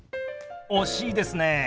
惜しいですね。